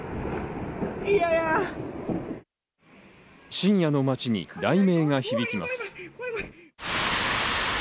深夜の街に雷鳴が響きます。